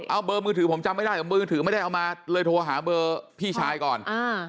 เอาเบอร์มือถือผมจำไม่ได้มือถือไม่ได้เอามาเลยโทรหาเบอร์พี่ชายก่อน